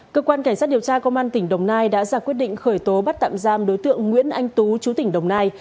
cơ quan cảnh sát điều tra công an tỉnh đồng nai đã ra quyết định khởi tố bắt tạm giam đối tượng nguyễn anh tú chú tỉnh đồng nai